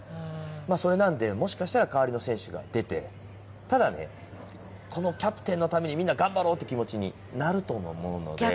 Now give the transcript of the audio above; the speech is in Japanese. それなんで、もしかしたら代わりの選手が出て、ただね、このキャプテンのためにみんな頑張ろうって気持ちになるとも思うので。